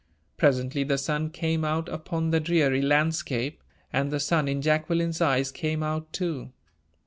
Presently the sun came out upon the dreary landscape, and the sun in Jacqueline's eyes came out too.